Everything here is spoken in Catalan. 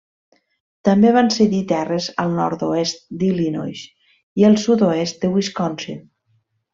També van cedir terres al nord-oest d'Illinois i el sud-oest de Wisconsin.